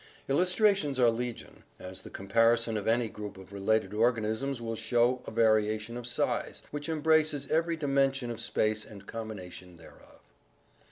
Illustrations are legion, as the comparison of any group of related organisms will show a variation of size which embraces every dimen sion of space and combination thereof.